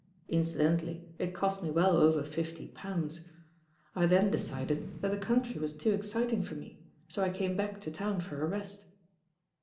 Incidentally it cost me well over fif.y pounds. I then decided that the country was too exciting for me, so I came back to town for a rest."